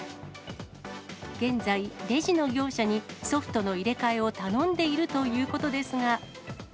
現在、レジの業者にソフトの入れ替えを頼んでいるということですが。